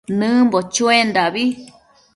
Nëbimbo chuendabi